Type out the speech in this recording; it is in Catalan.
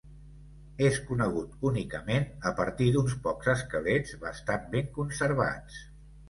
És conegut únicament a partir d'uns pocs esquelets bastant ben conservats.